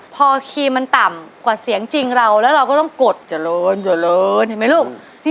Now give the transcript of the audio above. พอคีย์มันต่ำกว่าเสียงจริงเราแล้วเราก็ต้องกดเจริญเจริญเห็นไหมลูก